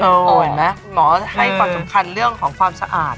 เห็นไหมหมอให้ความสำคัญเรื่องของความสะอาด